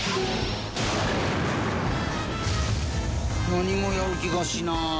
何もやる気がしない。